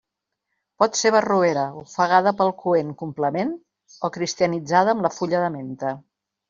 Pot ser barroera ofegada pel coent complement o cristianitzada amb la fulla de menta.